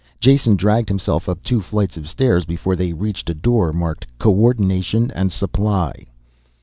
Jason dragged himself up two flights of stairs before they reached a door marked CO ORDINATION AND SUPPLY.